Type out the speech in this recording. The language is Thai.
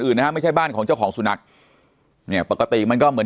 นะฮะไม่ใช่บ้านของเจ้าของสุนัขเนี่ยปกติมันก็เหมือน